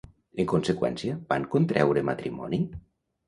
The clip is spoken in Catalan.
En conseqüència, van contreure matrimoni?